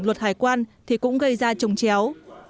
luật hải quan thì cũng gây ra trùng chéo